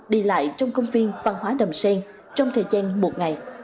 đi lại trong công viên văn hóa đầm sen trong thời gian một ngày